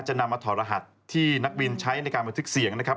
นำมาถอดรหัสที่นักบินใช้ในการบันทึกเสียงนะครับ